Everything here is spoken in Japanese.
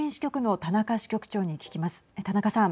田中さん。